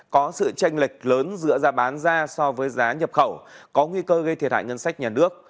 có sự tranh lệch lớn giữa giá bán ra so với giá nhập khẩu có nguy cơ gây thiệt hại ngân sách nhà nước